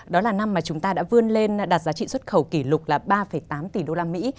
đó là năm mà chúng ta đã vươn lên đạt giá trị xuất khẩu kỷ lục là ba tám tỷ đô la mỹ